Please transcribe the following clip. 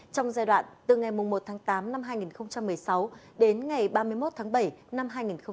trong giai đoạn từ ngày một tháng tám năm hai nghìn một mươi sáu đến ngày ba mươi một tháng bảy năm hai nghìn một mươi chín